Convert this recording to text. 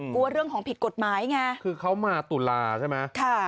กลัวเรื่องของผิดกฎหมายไงคือเขามาตุลาใช่ไหมค่ะ